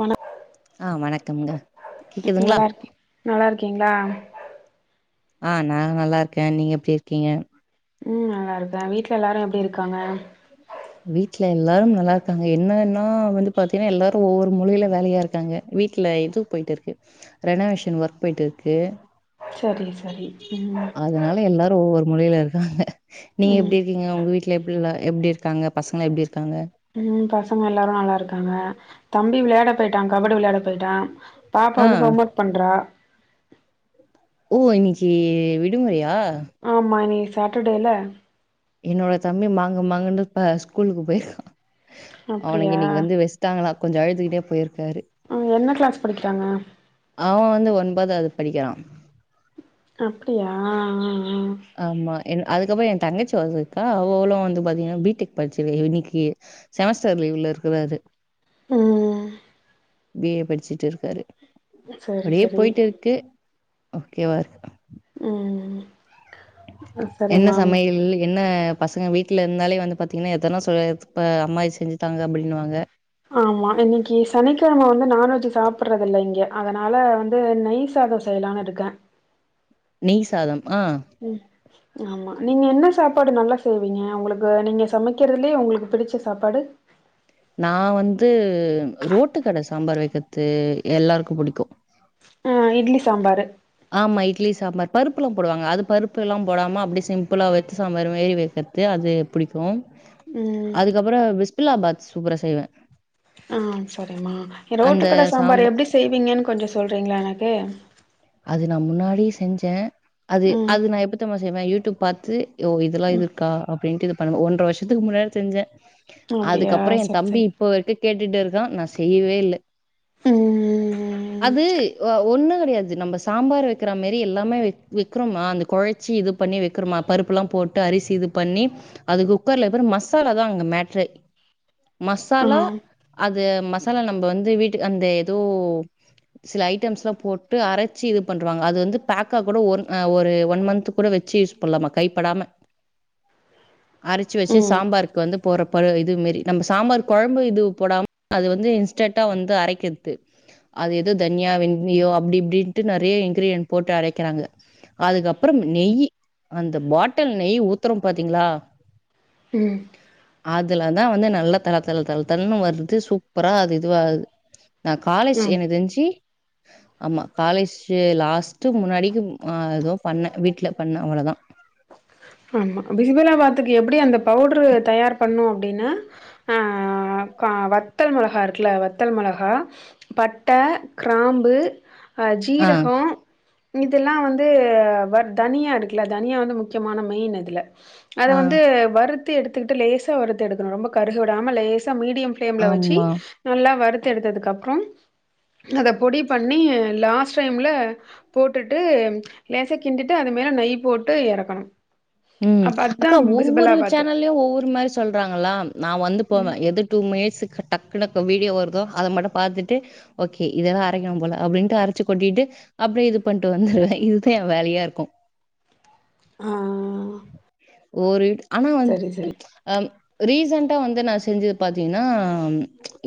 ஆனா ஆ வணக்கம்ங்க கேக்குதுங்களா? நல்லா இருக்கேன் நல்லா இருக்கீங்களா ஆஹ் நான் நல்லா இருக்கேன் நீங்க எப்படி இருக்கீங்க உம் நல்லா இருக்கேன் வீட்டு்ல எல்லாரும் எப்படி இருக்காங்க வீட்டுல எல்லாரும் நல்லா இருக்காங்க என்னன்னா வந்து பாத்தீங்கன்னா எல்லாரும் ஒவ்வொரு மூலையில வேலையா இருக்காங்க வீட்டுல இது போயிட்டு இருக்கு ரெனோவேஷன் ஒர்க் போயிட்டு இருக்கு செரி செரி உம் மொழில இருக்காங்க நீங்க எப்டி இருக்கீங்க உங்க வீட்ல எப்டிலா எப்டி க்காங்க பசங்கலா எப்டி இருக்காங்க? ம் பசங்க எல்லாரு நல்லா இருக்காங்க தம்பி வெளையாட போய்ட்டா கபடி வெளையாட போயிட்டா பாப்பா ஆ வந்து ஹோம் ஒர்க் பண்றா ஓ இன்னைக்கு விடுமுறையா ஆமா ஏன் சாட்புடல என்னோட தம்பி மாங்கு மாங்குனு இப்ப ஸ்கூலுக்கு பொயிருக்கா அவனுக்கு அப்டியா இன்னிக்கு வந்து வெச்ட்டாங்ளா கொஞ்ஜோ அழுதுகிட்டே பொயிரு உம் என்ன க்ளாஸ் படிக்கிறாங்க அவன் ஒன்பதாவது படிக்கிறா அப்டியா ஆஹ் ஆமா என்ன அதுக்கப்றோ ஏ தங்கச்சி வந்துருக்கா அவளு வந்து பாத்தீங்கன்னா பி டெக் படிச்சது இன்னிக்கு செமஸ்டர் லீவ்ல இருக்குது அது உம் பி ஏ படிச்சிடு இருக்காரு சரி அப்டியே சரி பொயிட்டு இருக்கு ஓகே வா உம் என்ன சமையல் இன்னிக்கு என்ன பசங்க வீட்ல இருந்தாலே வந்து பாத்தீங்கன்னா எதனா சொ இப்ப அம்மா இது செஞ்சுத்தாங்க அப்டிங்கிறாங்க ஆமா இன்னிக்கு சனிக்கிழம வந்து நான்வெஜ் சாப்பட்றது இல்ல இங்க அதனால வந்து நெய் சாதோ செய்லான்னு இருக்கே ய் சாதம் ஆ ம் ஆமா நீங்க என்ன சாப்பாடு நல்லா செய்வீங்க ஒங்ளுக்கு நீங்க சமைகறதுலயே ஒங்ளுக்கு புடிச்ச சாப்பாடு நா வந்து ரோட்டு கட சாம்பார் வக்றது எல்லாருக்கு புடிக்கு ம் இட்லி சாம்பாரு ப்புலா போடுவாங்க அது பருப்புலா போடாம அப்டியே சிம்பிளா வெஜ்ஜி சாம்பாரு மாரி வெக்கற்து அது புடிக்கு ம் அதுக்கப்றோ பிஸ்பில்லாபாத் சூப்பரா செய்வே ஆஹ் சரிமா ரோட்டுக்கட சாம்பார் சாம்ப எப்டி செய்வீங்கன்னு கொஞ்ஜோ சொல்றீங்ளா எனக்கு அது நா‌ முன்னாடியே செஞ்ஜே அது ம் அது நா எப்பதெம்மா செ சரிமா யூடியூப் பாத்து யோ இதெல்லா ம் இதுருக்கா அப்டின்ட்டு பன் ஒன்றர வருஷத்துக்கு முன்னாடி செஞ்ஜே அப்டியா அதுக்கப்றோ ஏ சரி தம்பி சரி இப்ப வரைக்கு கேட் ட்டுடு இருக்கா நா செய்யவே இல்ல ம் அது ஒன்னு கெடையாது இது நம்ப சாம்பார் வக்கிற மாரி இல்லாம வெக்கிறமா அந்த கொழச்சி இது பண்ணி வெக்கிறமா பருப்புலா போட்டு அரிசி இது பண்ணி அது குக்கர்ல மசாலா தா அங்க மேட்ரு ஆ மசாலா அது மசாலா நம்ப வந்து வீட்டு அந்த எதோ சில ஐட்டெம்ஸ்லா போட் டு அரச்சி இது பண்றாங்க அது வந்து பேக்கா ஒன் ஒரு மந்துக்கு குட வச்சி யூஸ் பண்ணலாமா கை படாம அரச்சி வச்சி ம் சாம்பார்க்கு வந்து போறப்ப பழ இது மாரி நம்ப சாம்பார்க்கு கொழம்பு போனா அது வந்து இன்ஸ்டன்டா வந்து அரைக்கது அது எதோ தன்யா வெந்தியோ அப்டி இப்டின்ட்டு நெறையா இன்கிரீயன் போட்டு அரைக்கிறாங்க அதுக்கப்றோ நெய்யி அந்த பாட்டல் நெய் ஊத்தறோ பாத்தீங்ளா ம் அதுலதா வந்து நல்லா தல தல தல தண்ணு வருது சூப்பரா அது இதுவாககுது நா காலேஜ் ம் என தஞ்ஜி ஆமா காலேஜ் லாஸ்ட்டு முன்னாடிக்கு அ எதுவு பண்ணே வீட்டு்ல பண்ண அவளவுதா ஆமா பிசிபலா பாத்துக்கு எப்டி அந்த பவுட்ரு தயார் பண்னு அப் அப்படின்னா ஆ க வத்தல் மொளகா இருக்குல வத்தல் மொளகா பட்டை கிராம்பு ஆ, அஜீரக இதெல்லா வந்து வ தனியா இருக்குல தனியா வந்து முக்கியமான மெயின் அதில அத ஆ, வந்து வருத் த்து எடுத்துக்கட்டு லேசா வறுத்து எடுக்கனு ரொம்ப கருக விடாம லேஸ் த்த மீடியம் பிளேம்ல வச்சு ஆமா. நல்லா வறுத்து எடுத்ததுக்கு அப்புறோ அத பொடி பண்ணி லாஸ்ட் டைம்ல போட்டுட்டு லேசா கிண்டிட்டு அது மேல நெய் போட்டு எறக்கணு ம் அப்ப அக்கா அதான் ஒவ்வொரு பிசுபலாபாத்து சேனல்லயு ஒவ்வொரு மாரி சொல்றாங்களா நான் வந்து போவே எது டூ மினிட் க டக்கு வீடியோ வருதோ அத மட்டும் பாத்துட்டு ஓகே இதெல்லா அரைக்கணு போல அப்படின்ட்டு அரைச்சு கொட்டிட்டு அப்டியே இது பண்ணிட்டு வந்துருவே இதுதா என் வேலையா இருக்கு ஆ ஓரிட் ஆனா சரி வந்து சரி அம் ரீசன்ட்டா வந்து நா செஞ்சது பாத்தீங்கன்னா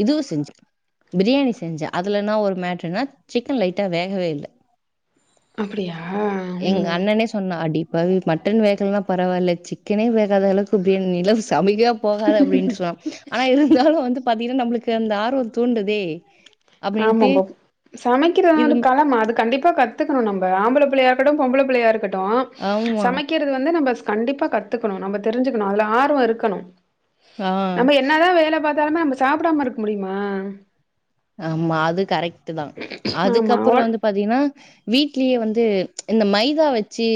இதுவு செஞ்சே பிரியாணி செஞ்சே அதுலனா ஒரு மேட்ருனா சிக்கன் லைட்டா வேகவே இல்ல அப்படியா எங்க அண்ணனே சொன்னா அடிப் பவி மட்டன் வேகலைன்னா பரவாயில்ல சிக்கனே வேகாத அளவுக்குப்பனு நிலஸ் சமைக்கா போகாது அப்படின்னு சொன்னா ஆனா இருந்தாலு வந்து பாத்தீங்கன்னா நம்மளுக்கு அந்த ஆர்வம் தூண்டுதே அப்டின்ட்டு ஆமாம்ப சமைக்கிறது இது ஒரு ம் கலமா அது கண்டிப்பா கத்துக்கணு நம்ம ஆம்பள பிள்ளை யாரு பொம்பள பிள்ளயா இருக்கட் டோ ஆமா சமைக்கிறது வந்து நம்ம ஸ் கண்டிப்பா கத்துக்கணு நம்ம தெரிஞ்சுக்கணு அதுல ஆர்வ இருக்கணு ஆ நம்ம என்ன தா வேல பாத் திறமே நம்ம சாப்பிடாம இருக்க முடியுமா ஆமா அது கரெக்ட் தான ஆமா அதுக்கப்புற ஒ வந்து பாத்தீங்கன்னா வீட்லயே வந்து இது இந்த மைதா வச்சு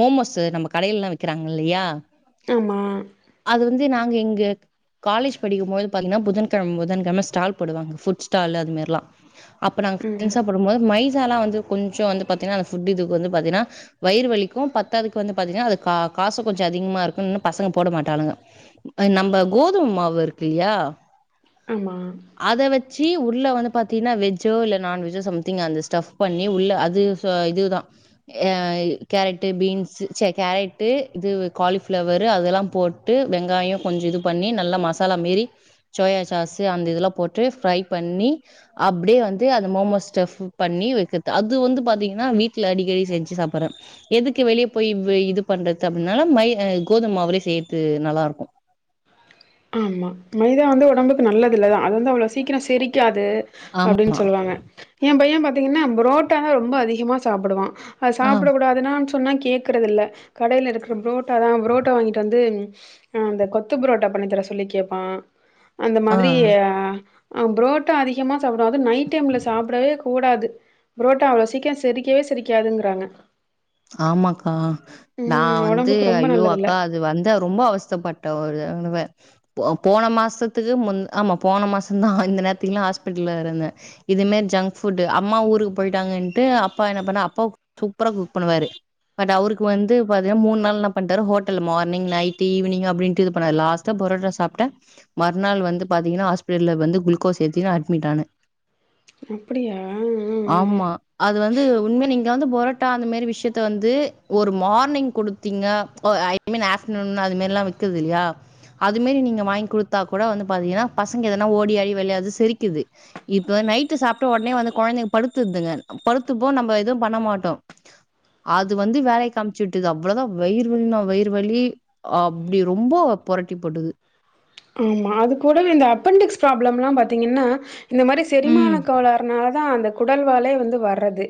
மோமோஸ் நம்ம கடையிலல்லா வெக்கிறாங்க இல்லையா ஆமா இங்கு காலேஜ் படிக்கும்போது பாத்தீங்கன்னா புதன்கெழம் புதன்கெழம ஸ்டால் போடுவாங்க புட் ஸ்டால் அது மாரில்லா அப்ப ம் நாங்கா [unintelligible] போடும்போது மை வந்து கொஞ்சம் வந்து பாத்தீங்கன்னா அந்த புட் இதுக்கு வந்து பாத்தீங்கன்னா வயிறு வலிக்கும் பத்தாதுக்கு வந்து பாத்தீங்கன்னா அது காரம் கொஞ்சம் அதிகமா இருக்கு பசங்க போட மாட்டாங்கஹ் நம்ம கோதுமை மாவு இருக்கு இல்லையா ஆமா அத வச்சு உள்ள வந்து பாத்தீங்கன்னா வெஜ்ஜோ இல்ல நான்வெஜ்ஜோ சம்திங் அந்த ஸ்டப் பண்ணி உள்ள அது இதுதான் அஹ கேரட்டு பீன்ஸ் கேரட்டு இது காலிபிளவரு அதெல்லாம் போட்டு வெங்காயம் கொஞ்சம் இது பண்ணி நல்லா மசாலா மாரி சோயா சாசு அந்த இதெல்லாம் போட்டு ஃப்ரை பண்ணி அப்படியே வந்து அந்த மோமோ ஸ்டஃப் பண்ணி வைக்கது அது வந்து பாத்தீங்கன்னா வீட்டுல அடிக்கடி செஞ்சு சாப்பிடுறேன் எதுக்கு வெளியே போய் இ இது பண்றது அப்படின்னால மை கோதுமாவுலே செய்யறது நல்லா இருக்கும் ஆமா மைதா வந்து உடம்புக்கு நல்லது இல்லதான் அது வந்து அவ்வளவு சீக்கிரம் செரிக்காது து ஆம். அப்படின்னு சொல்லுவாங்க என் பையன் பார்த்த பார்த்தீங்கன்னா புரோட்டான்னா ரொம்ப அதிகமா சாப்பிடுவான் அது ஆ. சாப்பிட கூடாதுனான் சொன்னா கேக்குறதில்ல கடையில இருக்கிற புரோட்டா தான் புரோட்டா வாங்கிட்டு வந்து கொத்து புரோட்டா பண்ணி தர சொல்லி கேப்பான் அந்த மாதிரி ஆ. அ ஆ புரோட்டா அதிகமாக சாப்பிடோம் அது நைட் டைம்ல சாப்பிடவே கூடாது புரோட்டா அவ்வளோ சீக்கிரம் செரிக்கவே செரிக்காதுங்கிறாங்க ஆமாக்கா நான் ம். வந்து உடம்புக்கு ரொம்ப ஐயோ நல்லதில்ல. அக்கா அது வந்த ரொம்ப அவஸ்தப்பட்டன் போன மாசத்துக்கு மு ஆமா போன மாசம் தான் இந்த நேரத்துல்லாம் ஹாஸ்பிட்டல்ல இருந்தேன் இதுமாரி ஜங்க் ஃபுட் அம்மா ஊருக்கு போயிட்டாங்கன்ட்டு அப்பா என்ன பண்ண அப்பா சூப்பரா கு பண்ணுவாரு பட் அவருக்கு வந்து பாத்தீங்கன்னா மூணு நாள் என்ன பண்டாரு ஹோட்டல் மார்னிங் நைட் ஈவினிங் அப்படின்டு இது பண்ணாரு லாஸ்ட்டா புரோட்டா சாப்பிட்ட மறுநாள் வந்து பாத்தீங்கன்னா ஹாஸ்பிட்டல்ல வந்து குளுக்கோஸ் ஏத்தி அட்மிட் ஆன அப்படியா? ம், ம், ஆமா அது வந்து உண்மைய நீங்க வந்து புரோட்டா அந்த மாதிரி விஷயத்த வந்து ஒரு மார்னிங் குடுத்தீங்க ஐ மீன் ஆஃபடர்நூன் அது மாதிரி எல்லாம் விக்குது இல்லையா அது மாதிரி நீங்க வாங்கி குடுத்தா கூட வந்து பாத்தீங்கன்னா பசங்க எதனா ஓடி ஆடி விளையாடுது செரிக்குது இப்ப நைட் சாப்ட்ட உடனே குழந்தை படுத்துதுங்க படுத்துப்போ நம்ம எதுவும் பண்ண மாட்டோம் அது வந்து வேலை காமிச்சு விட்டுது அவ்வளவுதான் வயிறு வலினா வயிறு வலி் அப்படி ரொம்ப புரட்டி போட்டுது ஆமா அது கூடவே இந்த அப்பென்டிக்ஸ் ப்ராப்ளம் எல்லாம் பாத்தீங்கன்னா இந்த மாதிரி செரிமான ம். கோளாறுனால தான் அந்த குடல் வாழே வந்து வர்றது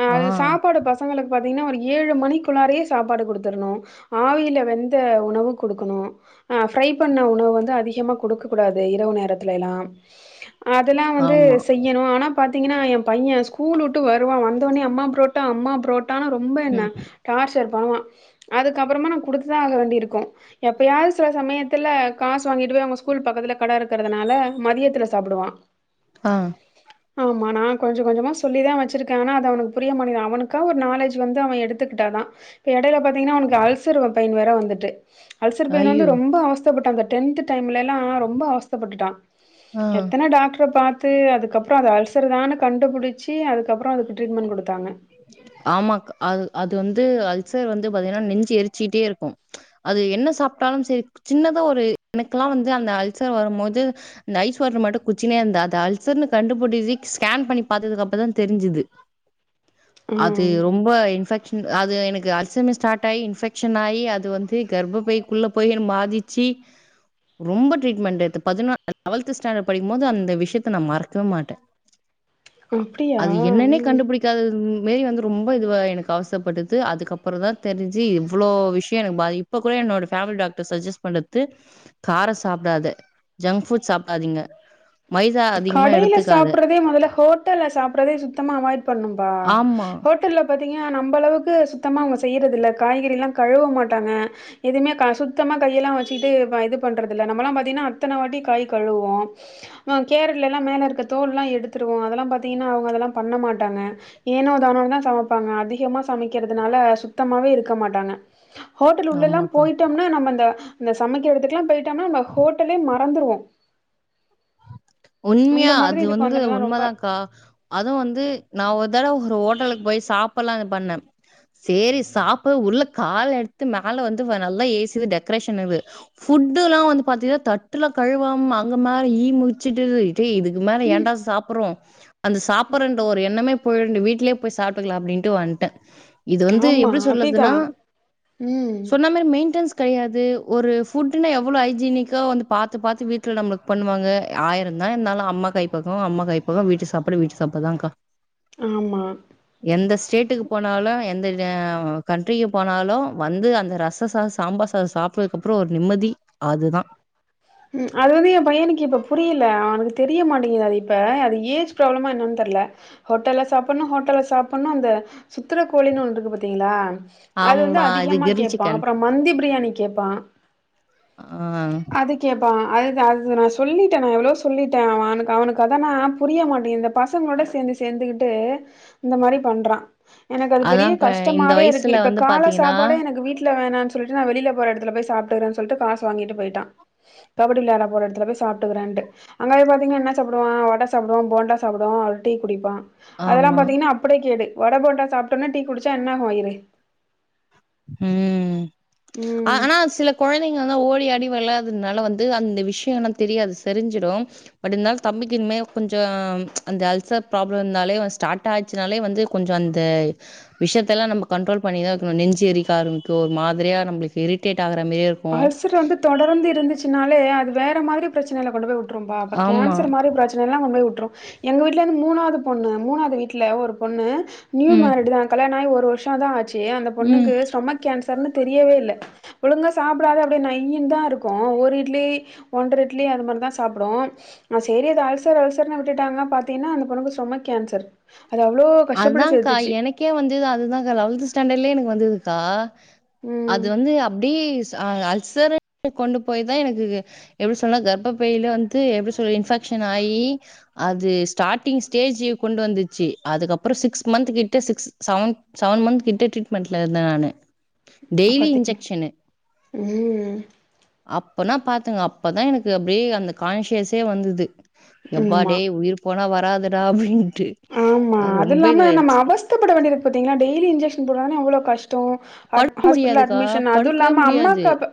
அஹ் ஆ, அது சாப்பாடு பசங்களுக்கு பத்த ஒரு ஏழு மணிக்குள்ளாரே சாப்பாடு கொடுத்துணும் ஆவில வெந்த உணவு கொடுக்கணும் ஃபிரை பண்ண உணவு உணவு வந்து அதிகமா கொடுக்க கூடாது இரவு நேரத்துல எல்லாம் அதெலாம் வந்து ஆமா. செய்யணும் ஆனால் பாாரத்தீங்கன்னா என் பையன் ஸ்கூல் விட்டு வருவான் வந்தோடனே அம்மா புரோட்ட அம்மா புரோட்டா ரொம்ப என்ன ம். டார்சர் பண்ணுவான் அதுக்க அப்புறமா நம் கொடுத்துதான் ஆக வேண்டிய இருக்கோம் எப்பயாவது சில சமயத்துல காசு வாங்கிட்டு போய் அவங்க ஸ்கூல் பக்கத்துல கடை இருக்கறிறதுனால மதியத்துல சாப்பிடுவான் ஆஹ் ஆமா நான் கொஞ்சம் கொஞ்சமா சொல்லிதான் வச்சிருக்கேன் ஆனா அது அவனுக்கு புரிய மிதன் அவனுக்கா ஒரு நாலேஜ் வந்து அவன் எடுத்துக்கிட்டாதான் இப்ப இடையில பாாரத்தீங்கன்னா அவனுக்கு அல்சர்வ பயன் வேற வந்துட்டு அல்சர் பையன் வந்து ஐயோ! ரொம்ப அவஸ்த் விட்டாங்க டென்த் டைம்ல எல்லாம் ரொம்ப அவச்தைப்பட்டுட்டான் ஆ. எத்தனை டாக்டரை பார்த்த பத்து அதுக்கப்புறம் அல்சர தான கண்டுபிடிச்சி அதுக்கப்புறம் அதுக்கு ட்ரீட்மெண்ட் கொடுத்தாங்க ஆமாக் அது அது வந்து அல்சர் வந்து பாத்தீங்கன்னா நெஞ்சு எரிச்சிட்டே இருக்கும் அது என்ன சாப்ட்டாலும் செரி சின்னதா ஒரு எனக்குல்லா வந்து அந்த அல்சர் வரும் போது அந்த ஐஸ் வாட்டர் மட்டும் குச்சினே அந்த அத அல்சர்னு கண்டுபிடி ஸ்கேன் பண்ணி பாத்ததுக்கு அப்புறதான் தெரிஞ்சுது அது ம். ரொம்ப இன்ஃபெக் அது எனக்கு அல்சமம் ஸ்டார்ட் ஆகி இன்ஃபெக்ஷன் ஆகி அது வந்து கர்ப்பயக்குள்ள போயன்னு பாதிச்சு ரொம்ப ட்ரீட்மெண்ட் எடு பதினொ லெவல்த் ஸ்டாண்டர்ட் படிக்கும் போது அந்த விஷயத்த நான் மறக்கவே மாட்டேன் அப்படியா ம் எனக் அது மேறி வந்து ரொம்ப இது எனக்கு அவசைப்பட்டது அதுக்கப்புறம் தான் தெரிஞ்சு இவ்வளவு விஷயம் எனக்கு பாதி இப்ப கூட என்னோட ஃபேமிலி டாக்டர் சஜெஸ்ட் பண்றது கார சாப்டாத ஜங்க் ஃபுட் சாப்டாதீங்க கடையில சாப்பிறதே முதல்ல ஹோட்டல்ல சாப்பறதே சுத்தமா அவாய்ட் பண்ணும்பா ஆமா, ஹோட்டல்ல பாத்தீங்க நம்மளவுக்கு சுத்தமா அவங்க செய்யறது இல்ல காய்கறி எல்லாம் கழுவ மாட்டாங்க எதுவுமே க சுத்தமா கையெல்லாம் வச்சுட்டு இது பண்றது இல்ல நம்மலா பாத்தீங்ன்னா அத்தன வாட்டி காய் கழுவோம் கேரல்லா மேல இருக்க தோல் எல்லா எடுத்துருவோம் அதெல்லாம் பாத்தீங்கன்னா அவங்க அதெல்லாம் பண்ண மாட்டாங்க ஏனோ தானோதா சமைப்பாங்க அதிகமா சமைக்கிறதுனால சுத்தமாவே இருக்க மாட்டாங்க ஹோட்டல் உள்ள எல்லா ஆமாக்கா. போயிட்டோம்னா நம்ம இந்த இந்த சமைக்கதுக்கலாம் பெய் டோம்னா ஹோட்டலே ம றந்துறுவோ உண்மையா அது வந்து இடம்லாம் ரொம்ப உண்மதான்க்கா அதுவு வந்து நான் ஒ ரு தடவ ஒரு ஹோட்டலுக்கு போய் சாப்லாம்னு பண்ண சேரி சாப்ப உள்ள கால எடுத்து மேல வந்து நல்லா ஏசு டெக்ரேஷனுவு அது ஃபுட்லாம் வந்து பாத்தெ தட்டுல கழுவாம அங்கமா ஈ முச்சட்டுது டேய் இதுக்கு மேல ம் ஏன்டா சாப்றோம் அந்த சாப்பறன்ற ஒரு எண்ணமே போயிண்டு வீடலேய போய் சாப்பிட்டுக்கலாம் அப்படின்ட்டு வன்டே இது வந்து ஆமா எப்படி சொல்லறதுன்னா அப்டிதான் ம் சொன்ன மாதி மெயின்டன்ஸ் கெடையாது ஒரு ஃபுட்னா எவ்ளோ ஹைஜீனிக்கா வந்து பாத்து பாத்து வீட்டுல நம்மளுக் பண்ணுவாங்க ஆயிருந்தான் இருனாலும் அம்மா கை பக்கவ அம்மா கை பக்க வீட்டு சாப்பாடு வீட்டு சாப்படுதான்கா ஆமா எந்த ஸ்டேட்டுக்கு போனாலும் எந்த ந்த கண்ட்ரிக்கு போனாலும் வந்து அந்த ரச சாசு சாம்பார் சாசு சாப்பறதுக்குப்புறம் ஒரு நிம்மதி அதுதான் ம் அது வந்து என் பையனுக்கு இப்ப புரியல அவனுக்கு தெரிய மாட்டேங்குது அது இப்ப அது ஏஜ் ப்ராப்ளமா என்னன்னு தெரல ஹோட்டல்ல சாப்பணும் ஹோட்டல்ல சாப்பணும் அந்த சுத்துற கோழின்னு ஒன்னு இருக்கு பாத்தீங்களா அது வந்து ஆமா இது அதிகமா கிரில் கேப்பான் சிக்கன் அப்புறம் மந்தி பிரியாணி கேப்பான் ஆ அதுக் கேப்பா அதுதான் அதுதா நான் சொல்லிட்டேன் நான் எவ்ளவோ சொல்லிட்டேன் அவனுக் அவனுக்கு அதனா புரிய மாட்டேங்குது இந்த பசங்களோட சேந்து சேந்துகிட்டு இந்த மாரி பண்றான் எனக்கு அது பெரிய அதான்க்கா இந்த கஷ்டமாவே இருக்கு வயசுல இப்ப வந்து கால பாத்தீங்கன்னா சாப்பாடே எனக்கு வீட்ல வேணான்னு சொல்லிட்டு நான் வெளில போற எடத்துல போய் சொல்ட்டு காசு வாங்கிட்டு பெய்ட்டான் கபடி விளாட போற எடத்துல போய் சாப்பிட்டுக்கறன்ட்டு அங்கபேய் பாத்தீங்கன்னா என்ன சாப்புடுவான் வட சாப்புடுவான் போண்டா சாப்புடுவான் ஒரு டீ குடிப்பான் அதெல்லாம் ஆமா பாத்தீங்கன்னா அப்பிடியே கேடு வட போண்டா சாப்ட்டோன்ன டீ குடிச்சா என்ன ஆகும் வயிறு ம் ம். ஆனா சில கொழந்தைங்க தான் ஓடி ஆடி வெளையாட்றதுனால வந்து அந்த விஷியம் இன்னும் தெரியாது செரிஞ்சிடும் பட் இருந்தாலும் தம்பிக்கு இனிமே கொஞ்சம் அந்த அல்சர் ப்ராப்லம் இருந்தாலே வந் ஸ்டாட்டாயிச்சினாலே வந்து கொஞ்சம் அந்த விஷயத்தல்லாம் நம்ம கண்ட்ரோல் பண்ணிதான் வைக்கணும் நெஞ் ச்செரிக்க ஆம்பிக்கும் ஒரு மாதிரியா நம்ளுக்கு இரிட்டேட் ஆகுற மாதிரியே இருக்கும் அல்சர் வந்து தொடர்ந்து இருந்துச்சின் னாலே அது வேற மாதிரி ப்ரச்சனைல கொண்டு போய் உட் ரும் பா அப்றம் ஆமா கேன்சர் மாரி ப்ரச்னைலாம் கொண் டு போய் உட்ரு எங்க வீட்லர்ந்து மூணாவது பொண்ணு மூணாவது வீட்ல ஒரு பொண்ணு நியூ ம் மேரிடு தான் கல்யாணம் ஆயி ஒரு ரு வருஷோ தா ஆச் ச்சி அந்த ம் பொண்ணுக்கு ஸ்டொமக் கேன்சர்ன்னு தெரியவே இல்ல ஒழுங்கா ஸ் சாப்டாத அப்டியே நய்யின் தான் ருக்கும் ஒரு இட்லி ஒன்ற இட்லி அது மாரி தான் சாப்டும் செரி அது அல்சர் அல்சர்னு விட் டுட்டாங்க பாத்தீங்ன்னா அந்த பொண்ணுக்கு ஸ்டொமக் கேன்சர் அது அவ்ளோ கஷ்டப்பட்டு அதான்க்கா சேத்துச்சு. எனக்கே வந்துது அதுதானக்கா லவெல்த்து ஸ் ஸ்டாண்டட்லயே எனக்கு வந்துதுக்கா அது ம். வந்து அப்டீ அல்சருனு கொண்டு போய் தான் எனக்கு எப்டி சொல்லாம் கர்ப்பப்பைல வந்து எப்டி சொல்ல இன்ஃபெக்ஷன் ஆயி அது ஸ்டாட்டிங் ஸ்டேஜி கொண்டு வந்துச் ச்சி அதுக்கப்புறம் சிக்ஸ் மன்த்க் கிட்ட சிக்ஸ் செவன் செவன் மன்த் கிட்ட ட்ரீட்மெண்ட்ல இருந்தேன் நானு டெய்லி பாத்தீங்க இன்ஜெக்சனு ம். அப்பனா பாத் பாத்துக்ங்க அப்பதான் எனக்கு அப்டியே அந்த கான்சியஸே வந்துது எப்பா ஆமா. டேய் உயிர் போனா வரா வராது டா அப்டின்ட்டு ஆமா அதுலாம நம்ம அவஸ்தப்பட வேண்டிருக்கு பாத்தீங்களா டெய்லி இன்ஜெக்சன் போட்ராங்னா எவ்ளோ கஷ் டம் அட் படுக்க ஹாஸ்பிட்ல முடியாதுக்கா அட்மிஷன் படுக்கவே அதுல்லாம முடியாது அம்மாக்கு அப்ப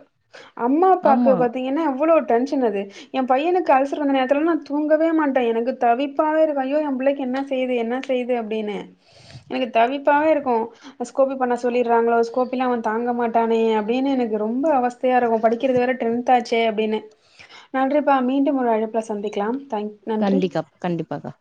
அம்மா அப்பாக்கு ஆமா பாத்தீங்கன்னா எவ்வளோ டென்ஷன் அது என் பையனுக்கு அல்சர் வந்த நேரத்துல நா தூங்கவே மாட்டேன் எனக்கு தவிப்பாவே இருக்கும் ஐயோ என் பிள்ளைக்கு என்னா செய்து என்னா செய்து அப்டினு எனக்கு தவிப்பாவே இருக்கும் ஸ்கோபி பண்ண சொல்லிட்றாங்களோ ஸ்கோப்பிலாம் அவன் தாங்க மாட்டானே அப்டின்னு எனக்கு ரொம்ப அவஸ்தையா இருக்கும் படிக்கிறது வேற டென்த்தாச்சே அப்டின்னு நன்றிப்பா மீண்டும் ஒரு அழைப்புல சந்திக்கலாம் தேங்க் நன்றி கண்டிக்கா கண்டிப்பாக்கா